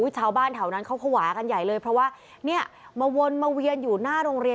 ชาวบ้านแถวนั้นเขาภาวะกันใหญ่เลยเพราะว่าเนี่ยมาวนมาเวียนอยู่หน้าโรงเรียน